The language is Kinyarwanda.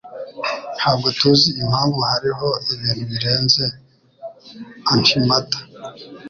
Ntabwo tuzi impamvu hariho ibintu birenze antimatter.